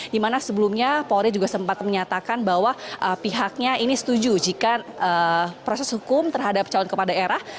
dimana sebelumnya polri juga sempat menyatakan bahwa pihaknya ini setuju jika proses hukum terhadap calon kepala daerah